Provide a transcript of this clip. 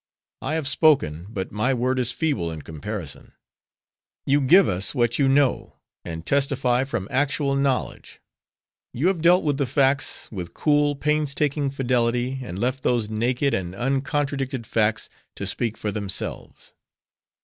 I have spoken, but my word is feeble in comparison. You give us what you know and testify from actual knowledge. You have dealt with the facts with cool, painstaking fidelity and left those naked and uncontradicted facts to speak for themselves.